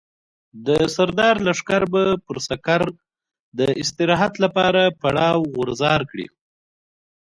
د سردار لښکر به پر سکر د استراحت لپاره پړاو غورځار کړي.